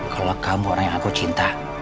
kalau kamu orang yang aku cinta